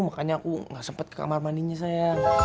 makanya aku gak sempet ke kamar mandinya sayang